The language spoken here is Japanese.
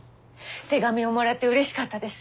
「手紙をもらってうれしかったです」